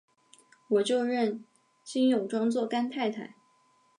我就认金友庄做干太太！